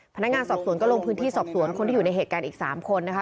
พนักงานสอบสวนก็ลงพื้นที่สอบสวนคนที่อยู่ในเหตุการณ์อีก๓คนนะคะ